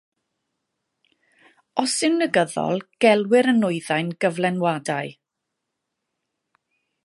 Os yw'n negyddol, gelwir y nwyddau'n gyflenwadau.